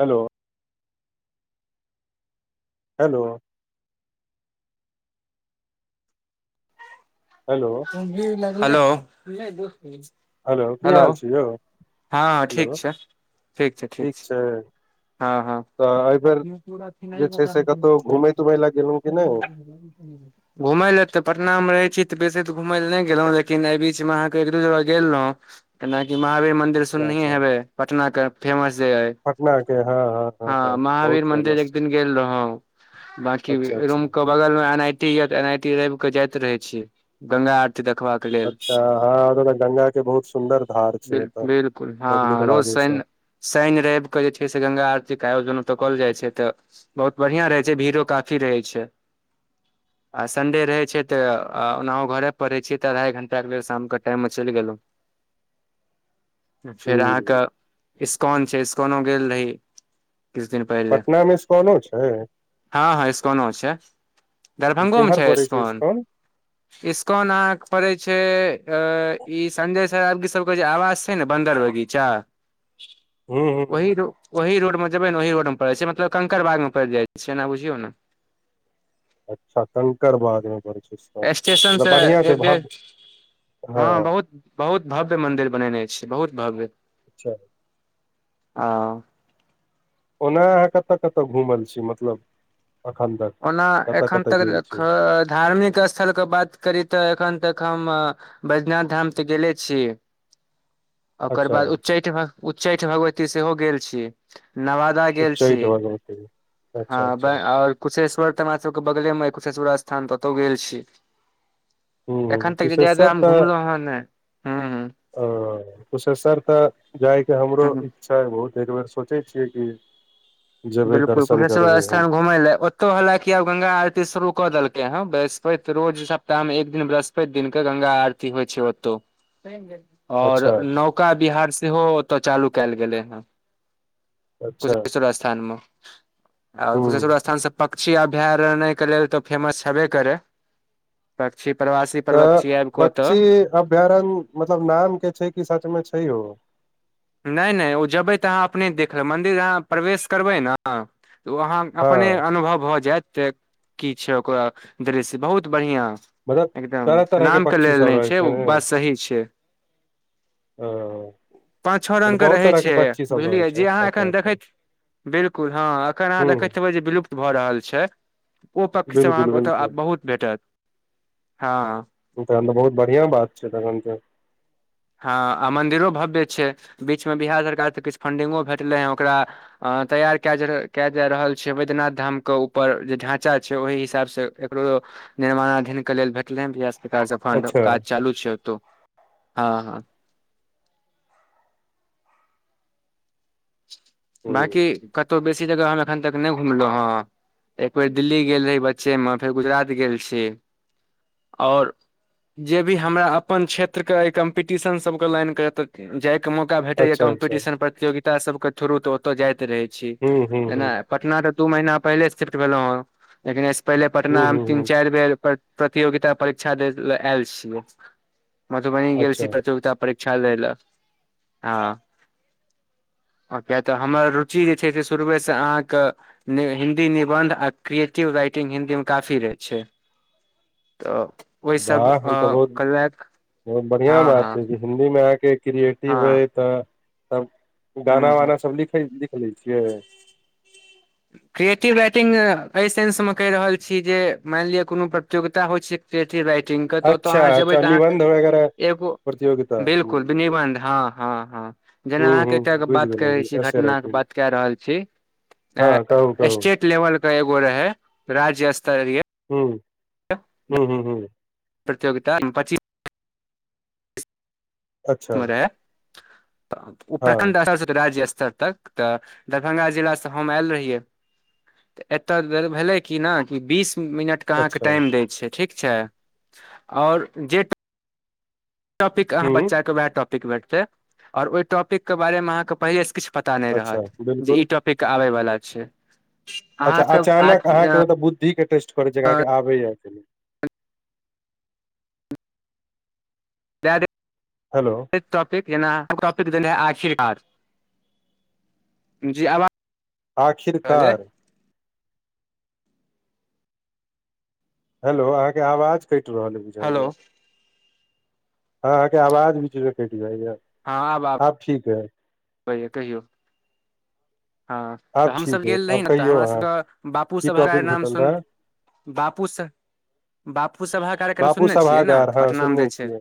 Hello. Hello. Hello. Hello. Hello की हाल छै यौ। आँ ठीक छै ठीक छै ठीक छै। ए। हँ हँ। जे छै से कतहु घुमय तुमय लए गेलहुँ कि नहि घुमैय लए तऽ पटना मे रहै छी तऽ बेसी तऽ घुमैय लए नै गेलौ लेकिन एहि बीचमे आहाँके एक दू जगह गेल रहौ। एनाकि महावीर मंदिर अच्छा सुननै हे हेबेै पटना के फेमस जे अइ। पटनाके हँ हँ। हँ बहुत महावीर मंदिर फेमस एक छै दिन गेल रहौ बाकी अच्छा रूम अच्छा कऽ। बगल मे एन आई टी ये तऽ एन आई टी रैब के जाइत रहेै छी गंगा आरती देखबाक। लेल अच्छा हँ ओत तऽ गंगा के बहुत सुन्दर धार छै बिल एतऽ बड़ नीक लागे छै। शैन रैव के जे छै से गंगा आरतीके आयोजन ओतऽ केएल जाइ छै तऽ बहुत बड़ियां रहै छै भीड़ो काफी रहै छै। [unintelligible] आ संडे रहेै छै तऽ ओनाहो घरे पर रहै छियै तऽ अड़ाई घण्टा के लेल शाम के टाइम मे चैल गेलौ। [unintelligible] फेर आहाँके ह इस्कॉन छै इस्कॉनो गेल रही। किछ दिन पहिेले पटना मे इस्कॉनो छै हँ हँ स्कनो छै। दरभंगो मे केम्हर छै पड़ै स्कोन। [unintelligible] स्कॉन आहाँ के पड़ेै छै इ संजय [unintelligible] सब के जे आवास- छै ने बन्दर बगीचा। हूं- हूं। ओहि -ओहि रोड मे जेबै ने ओहि रोड मे पड़ै छै मतलब कंकड़बागा मे पड़ि जाइ छै, एना बुझियौ ने। अच्छा कंकरबाग में पड़ै छै। स्टेशन मतलब से बढ़िआँ छै एक, डेढ़ भव्य हँ बहुत बहुत भव्य मन्दिर बनेने छै, बहुत भव्य अच्छा! हां। ओना अहाँ कतय- कतय घुमल छी मतलब। अखन तक। ओना कतऽ एखन कतऽ गेल तक छियै धार्मिक स थल के बात करी तऽ एखन तक हम बैज्यनाथ धाम तऽ गेले छी। [unintelligible] ओकर बाद उच्चैठ- उच्चैठ भगवती सेहो गेल छी। नवा दा गेल छी। उच्चैठ भगवती अच्छा हं अच्छा आओर कुशेश्वर तऽ हमरा सबके बगले में अय, कुशेश्वर स्थान तऽतौ गेल छी। हूँ एखन तक ज्यादा कुशेश्वर हम घुमलो हे नै। ओ कुशेश्वर तऽ जायके हमरो ह इच्छा बहुत, एक बेर सोचै छियै कि जेबै बिलकुल दर्शन कुशेश्व करबै हम स्थान घुमै लए तो हलाकि आब गंगा आरती शुरू कऽ देलकै है, बृस्पति रोज सप्ताह मे एक दिन बृहस्प ति दिनके गङंगा आरती होइ छै ओतौ। आओर अच्छा नौका बिहार सेहो ओतय चालू कयल गेलै हेँ। अच्छा कुशेश्वर स्थान मे, आओर हूँ कुशेश्वर स्थान से पक पक्षी अभयारण के लेल तो फेमस छेबे करे, पक्षी प्रवासी तऽ परवक्षी आबि कऽ ओतऽ पक्षी अभयारण्य मतलब नाम के छै, कि सच मे छहियो। नहि- नहि ओ जेबै तऽ अहाँ अपने देख लेबै, मन्दिर अहाँ प्रवेश करबै ने, ओ अहाँ हँ अपने अनुभव भऽ जायत, तऽ की छै ओकरा दृश्य बहुत बढ़ििया मतलब एकदम तरह तरह के नामके पक्षी लेल सब नहि रहै छै, ओ ने बात सही छै। ओ। पाँच, छः रंगग के रहै छै, रहै बुझलियै छै जे अहाँ अच्छा एखन अच्छा देखैत बिल्कुल हँ एखन अहाँ हूँ देखैत हेबै जे विलुप्त भऽ रहल छै, ओ पक्षी सब बिल्कुल अहाँके बिल्कुल ओतऽ बहुत भेटत हँ। तखन तऽ बहुत बढ़िआं बात छै, तखन तऽ हँ आ मंन्दिरो भव्य छै, बीच में बिहार सरकार से किछु फंडिंगो भेटलै ह ओकरा। अ तैयार कै- कै जा रहल छै, वैद्यनाथ धाम के ऊपर जे ढांचा छै ओहि हिसाब से। एकरो निर्माणाधीन के लेल भेटले ह बिहार सरकार से फंड, अच्छा काज चालू छै। हँ- हँ। हूँ बांकी कतहु बेसी जगह हम एखन तक नहि घुमलहुँ हँ। एक बेेर दिल्ली गेल रही बच्चे में, फेर गुजरात गेल छी आओर जे भी हमरा अपन क्षेत्र के ए कम्पीटीशन सब के लाइन के जाय मौका भेटैया अच्छा अच्छा कम्पिटिशन प्रतियोगिता सबके थ्रू, तऽ ओतय जाइत रहै छी। हूँ हूँ हूँ जेना पटना तऽ दू महीना पहिले शिफ्ट भेलहुँ हँ, लेकिन एहिसँ पहिले हूँ पटना में हूँ तीन, हूँ चारि बेर प्रतियोगिता परीक्षा दे ल‌ आयल छियै, मधुबनी गेल अच्छा छी प्रतियोगिता परीक्षा ले लऽ हँ। आ किए तऽ हमर रुचि जे छै से शुरुएसँ अहाँके नै हिन्दी निबन्ध आ क्रिएटिव राइटिंग हिन्दी मे काफी रहै छै। तऽ ओहिसभ वाह ई तऽ कयलक बहुत बढ़ियां हँ बात हँ छै जे हिन्दी मे अहांके क्रिएटिव रहै हँ त, तब गाना हूँ हूँ उना सब लिखै, लिख चलै छियै। क्रिएटिव राइटिंग एहि सेन्समे कहि रहल छी जे मानि लिअ कोनो प्रतियोगिता होइ छै जे क्रिएटिव राइटिंग के तऽ ओतो अच्छा अहाँ जेबे अच्छा तऽ अहां निबन्ध वगैरह एगो, प्रतियोगिता हूँ बिलकुल निबन्ध हं हँ हँ जेना हूँ अहाँके हूँ एकटा हूँ बुझि बात करै गेलहुँ छी ऐसे घटना के राइटिंग बात कए रहल छी हँ कहू कहू स्टेट लेवल के एगो रहै, राज्य स्तरीय हुं, हुं, हुं, हुं। प्रतियोगिता, अथि। अच्छा। तऽ ओ हँ प्रखण्ड स्तरसँ राज्य स्तर तक तऽ, दरभंगा जिलासँ हम आयल रहियै एतऽ भेलै कि ने बीस मिनट तक अहां के अच्छा टाईम दै छै, ठीक छै और जे टॉपिक अहाँ हूँ बच्चा के वैह टॉपिक भेटतै और ओहि टॉपिक के बारे मे अहाँ पहिले से किछ पता नहि अच्छा रहत जे बिल्कुल ई टॉपिक आबै वला छै। अच्छा अहाँके आज अचानक अहाँके मतलब बुद्धि के टेस्ट करैत छै अहाँके आबैए कि नै लडड [unintelligible] हेलो। टॉपिक य ॉपिकै आशीर्वाद जी आब [unintelligible] आखिरकार। हेलो अहाँके आवाज कटि रहल अछि। हेलो। अहां के आवाज बीचे से कटि जाइये। हँ आब आब ठीक अछि। कहियौ कहियौ। हँ तऽ आब हमसभ ठीक है गेल रही आब ने तऽ कहियौ हमरा अहाँ सभके की बापूसभ हमरा टॉपिक नाम भेटल सुन रहे बापू स बापू सभा कार्यक्रम बापू सुनने छियै ने सभागार हँ पटनामे जे सुनने छै। छियै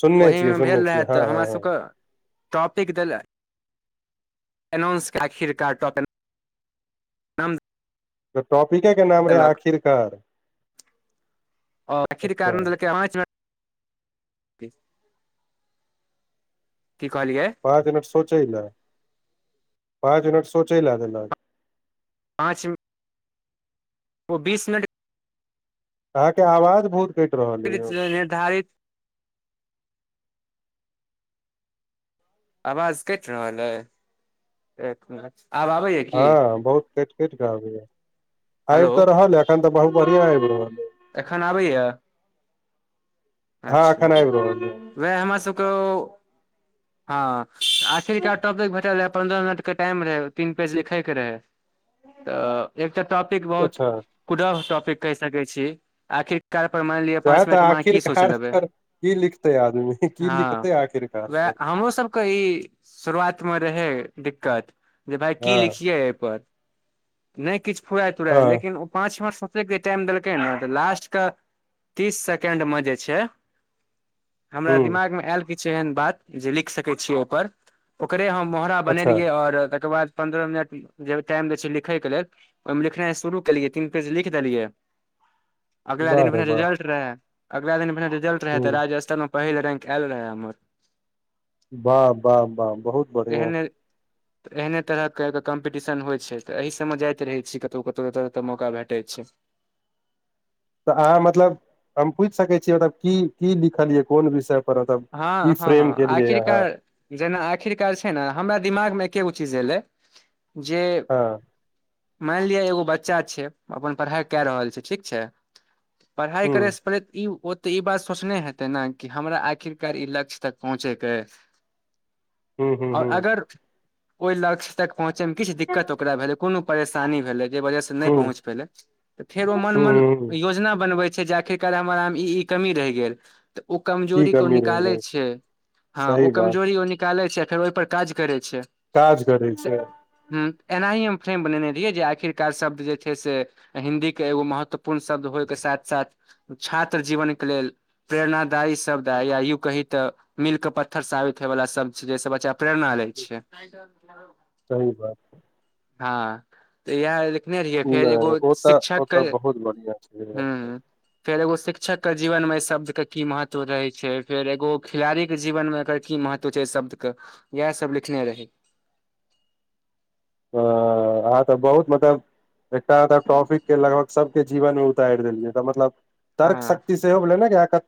सुनने छियै ओहीमे सुनने भेल रहै छियै हँ तऽ हँ हमरा हँ सभके टॉपिक देल अनाउंस आखिरकार टापिक हम तऽ टॉपिके के नाम रहै आखिरकार, आओर अच्छा। आखिरकार की देलकै कहलियै? पाँच मिनट सोचै ला पाँच मिनट सोचै ले देलक। पाँच ओ बीस मिनट अहाँके आवाज बहुत कटि रहल य यौ निर्धारित आवाज कटि रहल अइ, एक मिनट, आब आबैये हँ बहुत कटि कटि के अबैये, आबि हेलो तऽ रहल ये, अखन तऽ बहुत बढ़ियां आबि रहल ये। एखन आबैये। हँ एखन आबि रहल अछि। वैह हमर सबके ओ ह [inaudible] हँ आखिरका टॉपिक भेटल रहे, पंन्द्रह मिनट के टाइम रहै तीन पेज लिखैके रहै। तऽ एकटा टॉपिक बहुत अच्छा कुढ़ब टॉपिक कहि सकै छी, आखिर काल पर मानि लिअ सएह पाँच तऽ मिनटमे अहांँके आखिरकार की लिखतै आदमी की हँ लिखतै आखिरकार वएह में। हमरो सबके ई शुरुआत मे रहै दिक्कत। जे भाइ की हँ लिखियै एऽ पर, नै किछ फुराय तुराय हँ लेकिन ओ पाँच सं एतेक जे टाइम देलकै ने, तऽ लास्ट के तीस सेकेंड मे जे छै हमरा ह दिमाग में आएल किछ एहन बात, जे लिख सकै छियै ओइपर। ओकरे हम मोहरा अच्छा बनेलियै, और तकर बाद पन्द्रह मिनट जे टाइम दै छै लिखयके लेल, ओइमें लिखनाइ शुरू केलियै तीन पेज लिख देलियै। [inaudible] अगिला दिन रे भने वाह रिजल्ट रहै, अगिला दिन भने रिजल्ट रहै, ह तऽ राज्य स्तर में पहिल रैंक आएल रहै हमर। बाह- बाह -बाह बहुत बढ़ियां। तऽ एहने तरहके एक तऽ कम्पिटिशन होइ छै, तऽ एहि सबमें जाइत रहै छी, कतहु- कतहु, जत -जत मौका भेटै छै। त अहाँ मतलब हम पुछि सकै छी, मतलब की कि लिखलियै कोन विषय पर ओत हँ की हँ फ्रेम हँ केलिअइ अहाँ। आखिरकार जेना आखिरकार छै ने, हमरा दिमाग में एके गो चीज एलै जे मानि लिअ एगो बच्चा छै, अपन पढ़ाइ कए रहल छै ठीक छै, पढ़ाइ हँ करैसँ करैत ई ओते ई बात सोचने हेतै ने, कि हमरा आखिर कार ई लक्ष्य तक पहुँचेके अय, ह ह आओर ह अगर ओइ लक्ष्य तक पहुँचेमें किछु दिक्कत ओकरा भेलै, कोनो परेशानी भेलै, जे वजह से नै ह पहुंच पेलै, त फेर ओ मन-मन ह ह योजना बनबै छै जे, आखिरकार हमरा में ई- ई कमी रहि गेल, तऽ ओ की कमजोरी कमी कोनी रहि निकालै गेल छै, हँ ओ सही बात कमजोरी ओ निकालै छै, फेर ओइ पर काज करै छै। काज करै तऽ छै। ह एनाही हम फ्रेम बनेने रहियै, जे आखिरकार शब्द जे छै से हिन्दी के एगो महत्वपूर्ण शब्द होइके साथ- साथ छात्र जीवन के लेल प्रेरणादायी शब्द, आ या युग कही त मिलके पत्थर साबित होइ वला सब्द छै, जै से बच्चा प्रेरणा लै छै। सही बात। हँ तऽ इएह लिखने रहियै, फेर एगो नहि ओ तऽ शिक्षक ओ के तऽ बहुत बढ़िआँ छै हुं फेर एगो शिक्षक के जीवन में ऐ शब्द के की महत्व रहे छै, फेर एगो खिलाड़ी के जीवन में एकर की महत्व छै शब्द के, इएह सब लिखने रही। बाह अहाँ तऽ बहुत मतलब एकटा एकर टॉपिक के लगभग सबके जीवन मे उतारि देलिये, एकर मतलब तर्क शक्ति सेहो भेलै ने, कि अहां क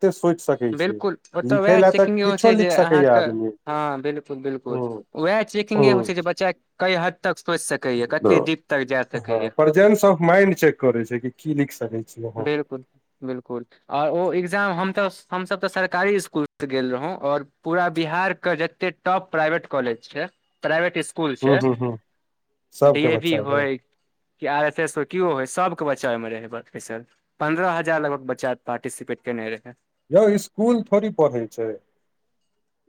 बिलकुल ओत उएह तऽ चेकिंग इहो किछो छै जे, लिख सकैए अहाँके आदमी हँ बिल्कुल- बिल्कुल। हूँ ओएह चेकिंगे होइ हूँ छै जे, बच्चा कई हद तक सोचि सकैए, कते डीप तक जा सकैए। प्रजेंटस ऑफ माइंड चेक करै छै कि। की लिख सकै छियै। अहाँ बिल्कुल- बिल्कुल। आओर ओ एग्जाम हम तऽ, हम सब तऽ सरकारी स्कुल से गेल रहौं, आओर पूरा बिहार के जते टॉप प्राइवेट कॉलेज छै, प्राइवेट स्क कूल हूँ से हूँ हूँ डी सबके ए भी बच्चा रहे होइ की आर एस एस होइ किओ होइ सभके बच्चा ओइ मे रहय ब बैसल पन्द्रह हजार लगभग बच्चा पार्टिसिपेट केने रहै। यौ इस्कूल थोड़ी पढ़ै छै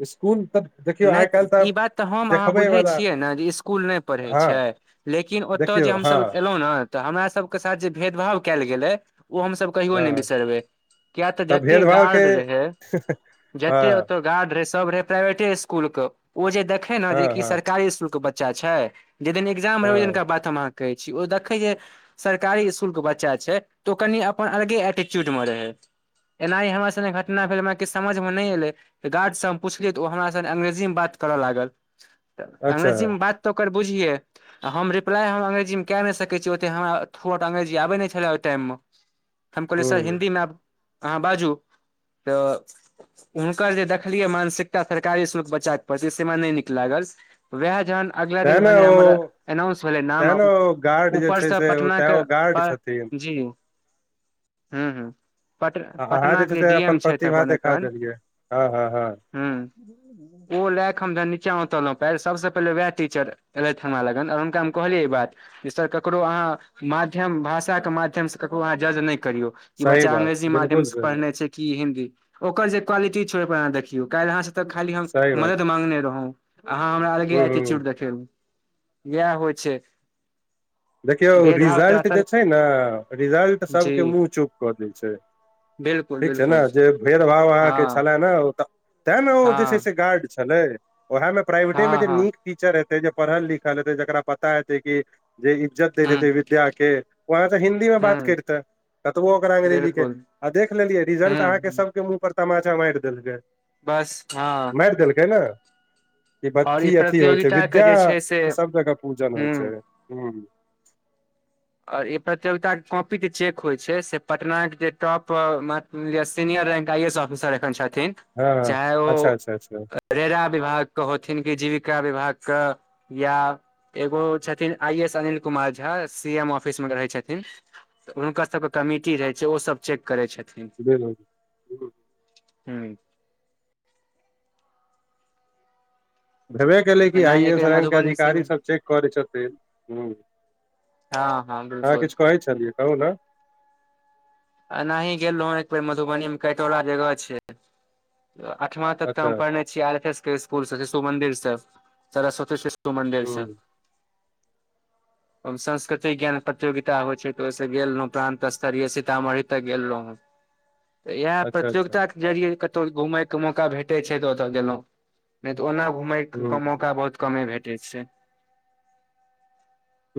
इस्कूल त नै त ई बात त हम अहाँ बुझै वला छियै ने जे स्कुल नै पढ़ै हँ छै। लेकिन ओत्त जे देखियौ हँ हमसभ एलौं न तऽ हमरा सबके साथ जे भेदभाव कैल गेलै ओ हमसभ कहियो नै हँ बिसरबै किया तऽ जते भेदभाव के गार्ड रहै हँ जते ओत गार्ड रहै सब रहै प्राइवेटे स्कूल क ओ जे देखै न जे हँ इ की हँ सरकारी स्कूल के बच् च्चा छै जै दिन एक्जाम रहै ओइ हँ दिनका बात हम अहाँके कहै छी ओ देखै जे सरकारी इस्कुलके बच्चा छै तऽ ओ कनि अपन अलगे एटिच्यूडमे रहै। एनाहि हमरा संगे घटना भेल हमरा किछ समझ में नै एले त गार्ड स हम पुछलियै त ओ हमरा तहन अंग्रेजी मे बात करऽ लागल तऽ अच्छा अंग्रेजी मे बात तऽ ओकर बुझियै आ हम रिप्लाइ हम अंग्रेजीमे कै नै सकै छी ओते हमरा थुर्आउट अंग्रेजी आबै नै छलै ओइ टाइममे। हम कहलियै सर ह हिन्दीमे आब अहाँ बाजू तऽ हुनकर जे देखलियै मानसिकता सरकारी इस्कूल के बच्चा के प्रति से हमरा नै निक लागल। वैह जहन अगला तें दिन ने भेने ओ हमर एनाउंस भेलै नाम तें आ ने ओ गार्ड जे ऊपरस छै से ओ पटना तें के ओ गार्ड पर छथिन जी हूं हूं। पट आ अहाँ जे छै पटनाके से डी एम अपन छथि प्रतिभा अपन देखा एखन देलियै हँ हँ हँ हूं। [unintelligible] ओ लै क हम जहन नीचाँ उतरलौं पै सबस पहिले वैह टीचर एलथि हमरा लग और हुनका हम कहलियै ई बात। जे सर ककरो अहाँ माध्यम भाषाके माध्यमसँ ककरो अहाँ जज नै करियौ। ई सही बच्चा बात अंग्रेजी माध्यम बिलकुल स सही पढ़ने छै कि हिन्दी ओकर जे क्वालिटी छै ओइ पर अहाँ देखियौ काइल अहाँ स त खाली हम सही बात मदद मांगने रहौं अहाँ हमरा ह अलगे ह एटिच्युड देखेलौं यैह होइ छै। देखियौ भेदभाव तऽ रिजल्ट जे असर छै ने रिजल्ट जी सबके मुँह चुप कऽ दै छै। बिलकुल ठीक छै ने बिलकुल जे भेदभाव अहाँके हँ छलै ने ओ त तैं ने ओ जे छै हँ से गार्ड छलै ओहै मे प्राइवेटे मे हँ जे हँ नीक टीचर हेतै जे पढ़ल लिखल हेतै जेकरा पता हेतै कि जे ई इज्जत दैत हेतै हूँ विद्या के ओ अहाँ स हिन्दी मे बात हूँ करितेै। कतबो ओकरा अङ्ंग्रेजीके बिलकुल आ देख लेलियै रिजल्ट अहाँके हूँ सभके मुँह पर तमाचा मारि देलकै। बस हँ। मारि देलकै ने। ई बत आओर की अथी होइ छै प्रतियोगिता के विद्या जे छै से के सब जगह पूजन होइ छै। हूँ हूं। और ई प्रतियोगिता के कॉपी जे चेक होइ छै से पटनाक के जे टॉप मा लिय senior rank I A S officer एखन छथिन हँ चाहे अच्छा ओ अच्छा अच्छा रेरा विभागके होथिन कि जीविका विभागक या एगो छथिन I S Anil Kumar Jha. D M office मे रहै छथिन त हुनकर सब के कमिटी रहय छै ओ सब चेक करे छै। हं बिलकुल। हूं। भेबे केलै कि आइ एनाही ए एक एस बेर रैंक के मधुबनी अधिकारी सेहो सब चेक करै छथिन हूं। हँ हँ बिलकुल। कहुं न। आ एनाही गेल रहौं एक बेेर मधुबनी मे कैटोला जगह छै। आठवां तक त अच्छा हम पढ़ने छी आर एफ एस के स्कुल स शिशु मंदिर से सरस्वती शिशु तु मण्डिल से। ह ओमे सांस्कृतिक ज्ञान प्रतियोगिता होय छै त ओय से गेल रहो प्रान्त स्तरीय सी तामढ़ी तक गेल रहो ते इहाए अच्छा अच्छा प्रतियोगिता के जरिये कतौ घुमय के मौका भेटै छै तऽ ओतऽ गेलौ। नै तऽ ओना घुमै के ह मौका बहुत कमे भेटै छै।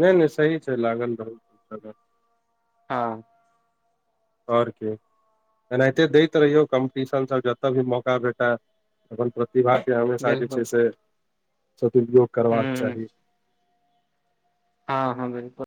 नै-नै सही छै लागल रहु [unintelligible] हां। और की। एनाहिते दैत रहियो कम्पटिशन सब जता भी मौका भेटा अपन [unintelligible] प्रतिभा के हमेशा जे छै बिलकुल से सद उपयोग करबाक हूँ चाही। हां-हां बिल्कुल।